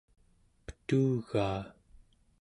petugaa